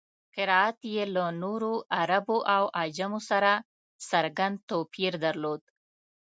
قرائت یې له نورو عربو او عجمو سره څرګند توپیر درلود.